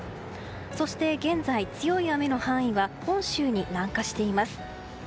そして現在、強い雨の範囲は本州に南下しています。